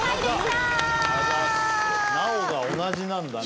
「直」が同じなんだね。